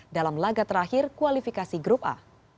dalam laga terakhir kualifikasi grup a